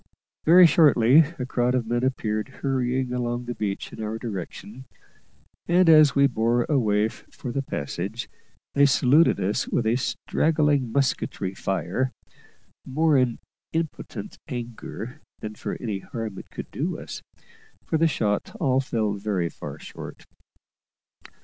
Very shortly a crowd of men appeared hurrying along the beach in our direction, and, as we bore away for the passage, they saluted us with a straggling musketry fire, more in impotent anger than for any harm it could do us, for the shot all fell very far short.